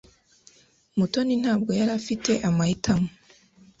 Mutoni ntabwo yari afite amahitamo.